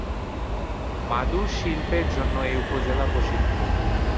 মাদুর শিল্পের জন্য এ উপজেলা প্রসিদ্ধ।